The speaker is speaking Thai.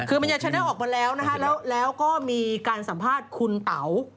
คือมันจะแชนเนอะออกมาแล้วแล้วก็มีการสัมภาษณ์ขุนเตา